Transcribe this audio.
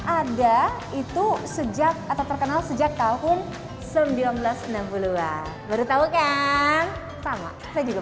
ada itu sejak atau terkenal sejak tahun seribu sembilan ratus enam puluh an baru tahu kan sama saya juga